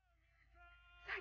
dia sudah selesai